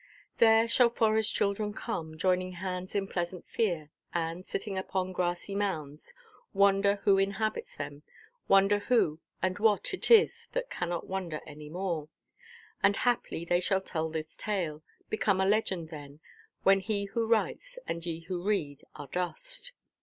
There shall forest–children come, joining hands in pleasant fear, and, sitting upon grassy mounds, wonder who inhabits them, wonder who and what it is that cannot wonder any more. And haply they shall tell this tale—become a legend then—when he who writes, and ye who read, are dust.